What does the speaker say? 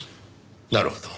なるほど。